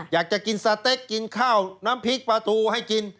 อยากจะกินสเต็กกินข้าวน้ำพริกประตูให้กิน